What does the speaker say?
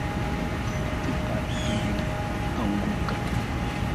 Chupa imeanguka